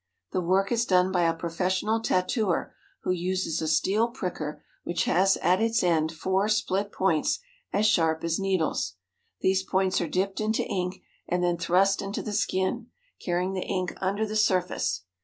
The work is done by a professional tattooer, who uses a steel pricker which has at its end four split points as sharp as nee dles. These points are dipped into ink and then thrust into the skin, carrying the ink under the surface.